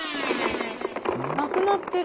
なくなってる。